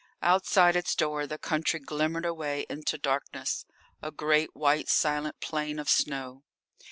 Outside its door the country glimmered away into darkness, a great white silent plain of snow.